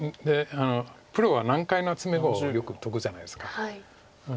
プロが難解な詰碁をよく解くじゃないですか。